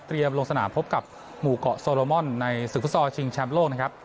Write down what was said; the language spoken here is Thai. ลงสนามพบกับหมู่เกาะโซโลมอนในศึกฟุตซอลชิงแชมป์โลกนะครับ